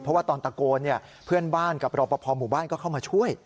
เพราะว่าตอนตะโกนเพื่อนบ้านกับรอปภหมู่บ้านก็เข้ามาช่วย